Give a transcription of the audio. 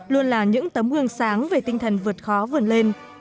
luôn là những tấm hương sáng về tinh thần vượt khó vượt lên